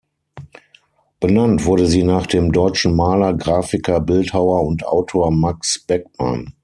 Benannt wurde sie nach dem deutschen Maler, Graphiker, Bildhauer und Autor Max Beckmann.